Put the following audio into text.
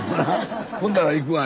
「ほんだわ行くわ」